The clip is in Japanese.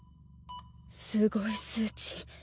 すごい数値。